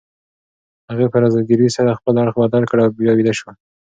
هغې په زګیروي سره خپل اړخ بدل کړ او بیا ویده شوه.